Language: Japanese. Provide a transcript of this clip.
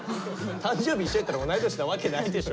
誕生日一緒やったら同い年なわけないでしょ！